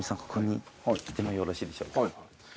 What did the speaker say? ここによろしいでしょうか？